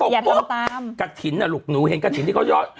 อย่าพูดตามกระถิ่นน่ะลูกหนูเห็นกระถิ่นที่เขายอด